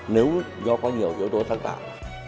nếu do có nhiều yếu tố sáng tạo